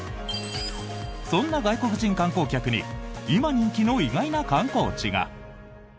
そんな外国人観光客に今、人気の意外な観光地が。